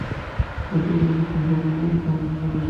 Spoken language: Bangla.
বাচ্চাগুলো কোথায় বলো, নইলে তোমাকে খুন করে ফেলবো।